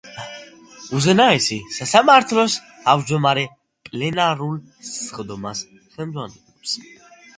უზენაესი სასამართლოს თავმჯდომარე პლენარულ სხდომას ხელმძღვანელობს.